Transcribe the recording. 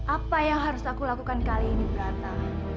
apa yang harus aku lakukan kali ini brata